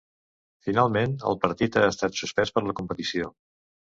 Finalment, el partit ha estat suspès per la competició.